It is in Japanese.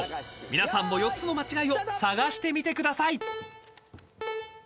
［皆さんも４つの間違いを探してみてください］